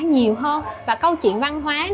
nhiều hơn và câu chuyện văn hóa